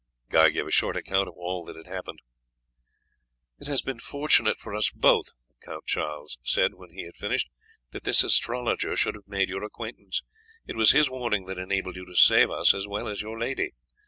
Guy gave a short account of all that had happened. "It has been fortunate for us both," the Count Charles said when he had finished, "that this astrologer should have made your acquaintance; it was his warning that enabled you to save us as well as your lady.